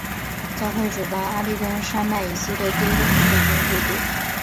教会主办阿利根尼山脉以西的第一个童子军部队。